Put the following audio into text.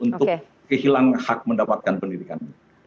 untuk kehilangan hak mendapatkan pendidikan